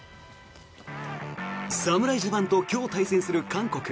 侍ジャパンと今日対戦する韓国。